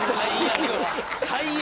最悪！